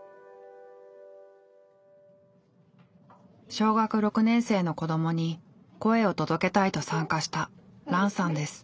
小学６年生の子どもに声を届けたいと参加したランさんです。